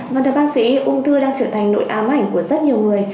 vâng thưa bác sĩ ung thư đang trở thành nội ám ảnh của rất nhiều người